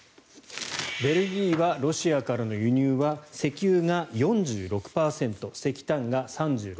ベルギーはロシアからの輸入は石油が４６％石炭が３６％。